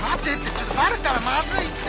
ちょっとバレたらまずいって！